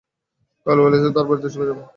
কাল ওয়েলস্-এ তার বাড়ীতে চলে যাবে।